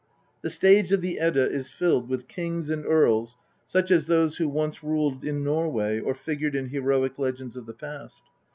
The stage of the Edda is filled with kings and earls such as those who once ruled in Norway or figured in heroic legends of the past.